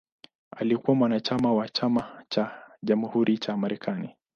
Alikuwa mwanachama wa Chama cha Jamhuri cha Marekani.